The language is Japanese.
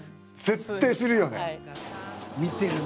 絶対するよね。